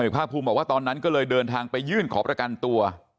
ภาคภูมิบอกว่าตอนนั้นก็เลยเดินทางไปยื่นขอประกันตัว